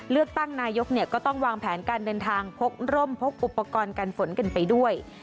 เลือกตั้งนายกก็ต้องวางแผนการเดินทางพกร่มพกอุปกรณ์กันฝนกันไปด้วย